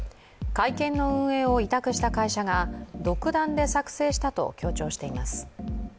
会見の運営を委託した会社が独断で作成したと強調しています。